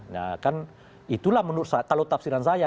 nah kan itulah menurut saya kalau tafsiran saya